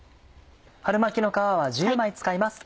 春巻きの皮は１０枚使います。